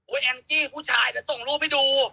โอ้ยแอมพ์จี้ผู้ชายจะส่งรูปไปดู